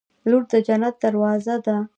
• لور د جنت دروازه ده.